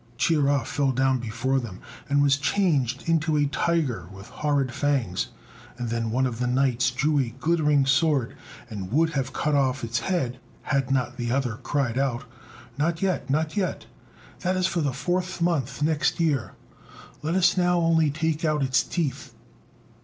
Chia fell down before them, and was changed into a tiger with horrid fangs; and then one of the knights drew a glittering sword and would have cut off its head, had not the other cried out, "Not yet! not yet! that is for the fourth month next year. Let us now only take out its teeth."